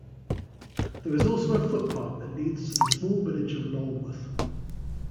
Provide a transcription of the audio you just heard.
There is also a footpath that leads to the small village of Lolworth.